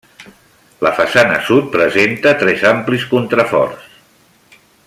La façana sud presenta tres amplis contraforts.